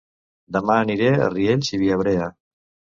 Dema aniré a Riells i Viabrea